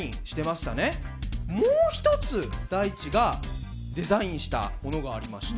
もう一つ大馳がデザインしたものがありました。